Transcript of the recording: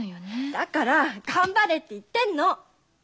だから頑張れって言ってんの。